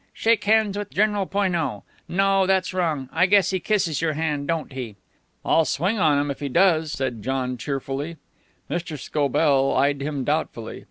Shake hands with General Poineau. No, that's wrong. I guess he kisses your hand, don't he?" "I'll swing on him if he does," said John, cheerfully. Mr. Scobell eyed him doubtfully.